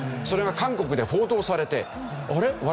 それが韓国で報道されてあれ？